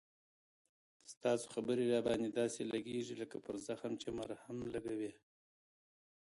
ستا خبري را باندي داسی لګیږي لکه پر زخم چې مرهم لګوې